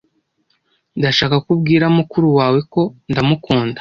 Ndashaka ko ubwira mukuru wawe ko ndamukunda.